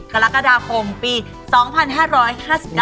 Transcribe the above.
กรกฎาคมปี๒๕๕๙นนี่แหละค่ะ